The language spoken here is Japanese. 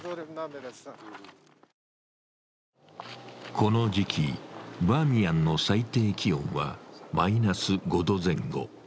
この時期、バーミヤンの最低気温はマイナス５度前後。